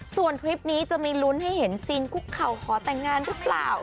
ส่วนทริปนี้จะมีลุ้นให้เห็นซีนคุกเข่าขอแต่งงานหรือเปล่า